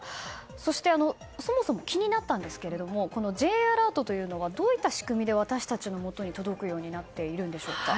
そして、そもそも気になったんですがこのＪアラートというのはどういった仕組みで私たちのもとに届くようになっているんでしょうか。